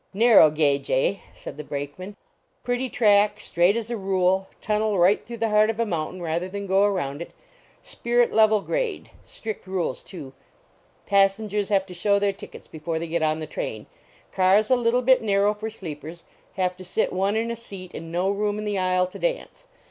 Narrow gauge , eh ?" said the Brakeman ; "pretty track; straight as a rule; tunnel right through the heart of a mountain rather than go around it; spirit level grade; strict rules, too; passengers have to show their tickets before they get on the train ; cars a little bit narrow for sleepers; have to sit one in a seat and no room in the aisle to dance.